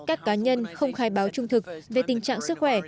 các cá nhân không khai báo trung thực về tình trạng sức khỏe